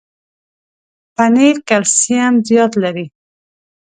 پنېر کلسیم زیات لري.